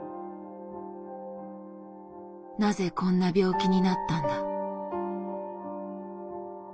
「なぜこんな病気になったんだ」。